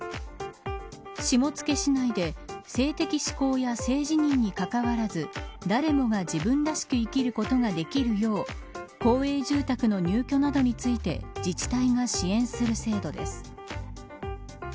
下野市内で性的指向や性自認にかかわらず誰もが自分らしく生きることができるよう公営住宅の入居などについて自治体が支援する制度です。